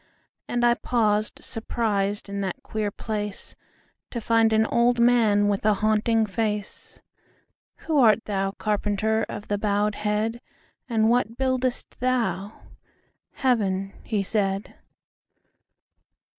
And I paused surprisedIn that queer placeTo find an old manWith a haunting face."Who art thou, carpenter, Of the bowed head; And what buildest thou?""Heaven," he said.